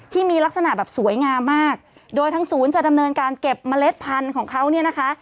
ที่มีลักษณะแบบสวยงามมากโดยทางศูนย์จะดำเนินการเก็บเมล็ดพันธุ์ของเขาเนี่ยนะคะ